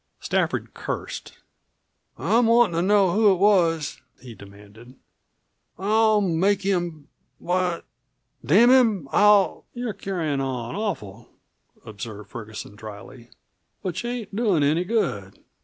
Stafford cursed. "I'm wantin' to know who it was!" he demanded. "I'll make him why, damn him, I'll " "You're carryin' on awful," observed Ferguson dryly. "But you ain't doin' any good."